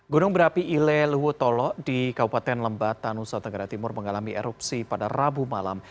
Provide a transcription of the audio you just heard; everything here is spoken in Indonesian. gunung berapi ile luwutolo di kabupaten lembata nusa tenggara timur mengalami erupsi pada rabu malam